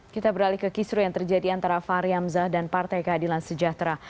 kita beralih ke kisru yang terjadi antara fahri hamzah dan partai keadilan sejahtera